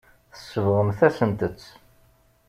Tsebɣemt-asent-tt.